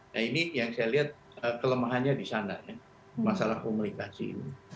nah ini yang saya lihat kelemahannya di sana ya masalah komunikasi ini